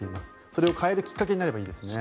それを変えるきっかけになればいいですね。